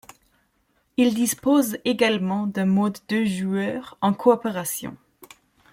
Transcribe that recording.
Il dispose également d'un mode deux joueurs en co-opération.